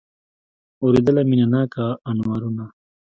اورېدله مینه ناکه انوارونه